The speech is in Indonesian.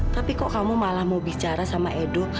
tapi kok kamu malah mau bicara sama edo